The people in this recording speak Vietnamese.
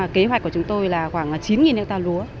kế hoạch của chúng tôi là khoảng chín hectare lúa